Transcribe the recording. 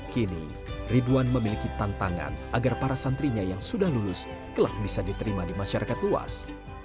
kini ridwan memiliki tantangan agar para santrinya yang sudah lulus kelak bisa diterima di masyarakat luas